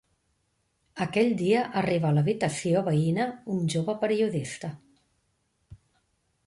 Aquell dia arriba a l'habitació veïna un jove periodista.